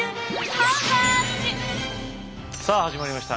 さあ始まりました。